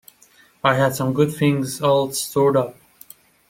I had some good things all stored up.